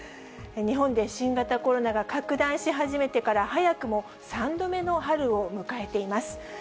日本で新型コロナが拡大し始めてから、早くも３度目の春を迎えています。